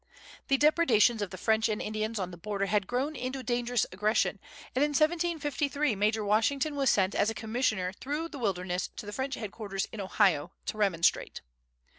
The depredations of the French and Indians on the border had grown into dangerous aggression, and in 1753 Major Washington was sent as a commissioner through the wilderness to the French headquarters in Ohio, to remonstrate.